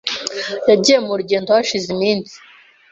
Yagiye mu rugendo hashize iminsi.